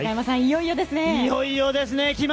いよいよですね！